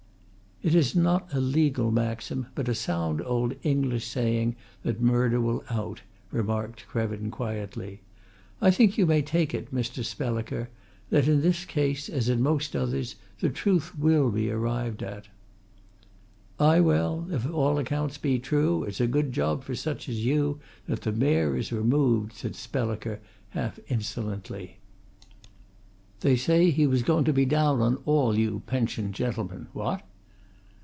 "It is not a legal maxim, but a sound old English saying that murder will out," remarked Krevin quietly. "I think you may take it, Mr. Spelliker, that in this case, as in most others, the truth will be arrived at." "Ay, well, if all accounts be true, it's a good job for such as you that the Mayor is removed," said Spelliker half insolently. "They say he was going to be down on all you pensioned gentlemen what?"